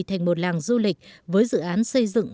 thành một làng du lịch với dự án xây dựng